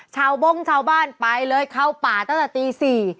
บ้งชาวบ้านไปเลยเข้าป่าตั้งแต่ตี๔